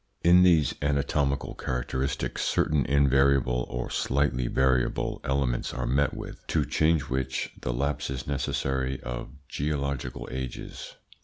In these anatomical characteristics certain invariable, or slightly variable, elements are met with, to change which the lapse is necessary of geological ages.